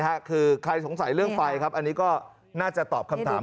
คือใครสงสัยเรื่องไฟครับอันนี้ก็น่าจะตอบคำถาม